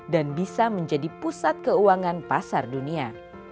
dan bisa menjadi pusat keuangan pasar dunia